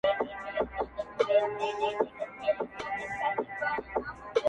له توتکیو به وي تشې د سپرلي لمني٫